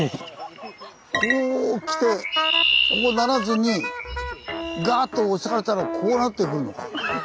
こうきてこうならずにガーッと押されたらこうなってくるのか。